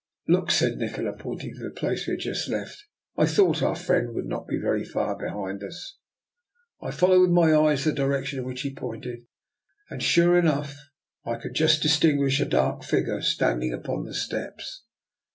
" Look," said Nikola, pointing to the place we had just left :" I thought our friend would not be very far behind us." I followed with my eyes the direction in which he pointed, and, sure enough, I could just distinguish a dark figure standing upon the steps.